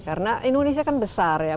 karena indonesia kan besar ya